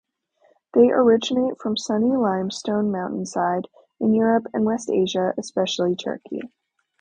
They originate from sunny limestone mountainsides in Europe and West Asia, especially Turkey.